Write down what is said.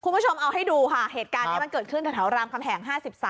คุณผู้ชมเอาให้ดูค่ะเหตุการณ์นี้มันเกิดขึ้นแถวรามคำแหง๕๓